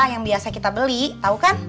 yang biasa kita beli tahu kan